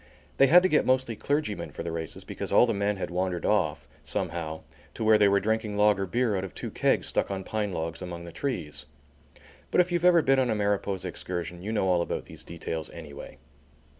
They had to get mostly clergymen for the races because all the men had wandered off, somehow, to where they were drinking lager beer out of two kegs stuck on pine logs among the trees. But if you've ever been on a Mariposa excursion you know all about these details anyway.